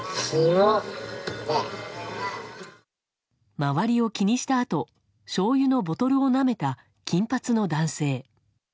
周りを気にしたあとしょうゆのボトルをなめた金髪の男性。